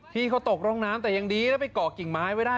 พี่เขาตกร่องน้ำแต่ยังดีแล้วไปเกาะกิ่งไม้ไว้ได้